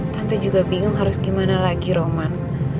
tante juga bingung harus gimana lagi roman